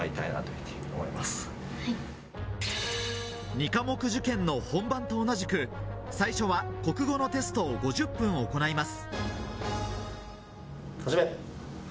２科目受験の本番と同じく最初は国語のテストを５０分行います。